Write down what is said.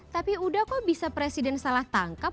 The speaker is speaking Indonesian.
tapi udah kok bisa presiden salah tangkap